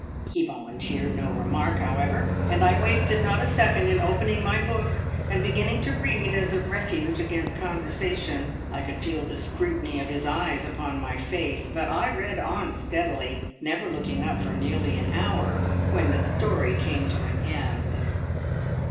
He volunteered no remark, however, and I wasted not a second in opening my book, and beginning to read as a refuge against conversation. I could feel the scrutiny of his eyes on my face, but I read on steadily, never looking up for nearly an hour, when the story came to an end.